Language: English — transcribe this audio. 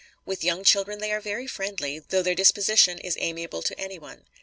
With young children, they are very friendly, though their disposition is amiable to any one.